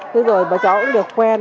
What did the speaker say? thế rồi bà cháu cũng được quen